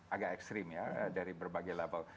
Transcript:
agak ekstrim ya dari berbagai laba